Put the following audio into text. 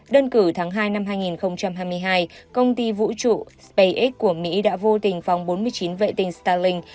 đơn cử tháng hai năm hai nghìn hai mươi hai công ty vũ trụ spacex của mỹ đã vô tình phóng bốn mươi chín vệ tinh starling